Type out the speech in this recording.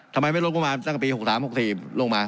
ทำไมไม่ลดโรงพยาบาลตั้งแต่ปี๖๗ลงมา